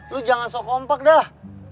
lu jangan sok kompak dah